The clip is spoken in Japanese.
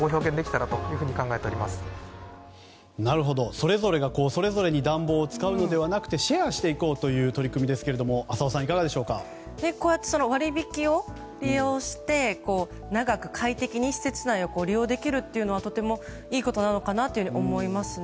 それぞれがそれぞれに暖房を使うのではなくシェアしていこうという取り組みですが割引を利用して長く快適に施設内を利用できるのはとてもいいことなのかなと思いますね。